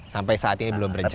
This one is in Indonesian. sampai saat ini belum berjalan